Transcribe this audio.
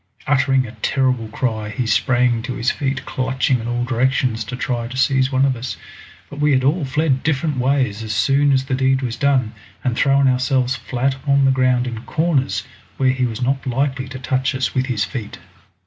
Uttering a terrible cry, he sprang to his feet clutching in all directions to try to seize one of us, but we had all fled different ways as soon as the deed was done, and thrown ourselves flat upon the ground in corners where he was not likely to touch us with his feet.